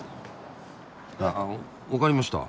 ああわかりました。